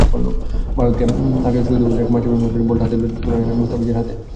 ভারতকে আটকাতে শুরুতেই অধিনায়ক মাশরাফি বিন মুর্তজা বলটা তুলে দিলেন মুস্তাফিজের হাতে।